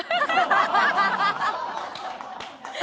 ハハハハ！